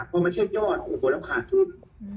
เพราะมันเช่นยอดโอ้โหแล้วขาดทุน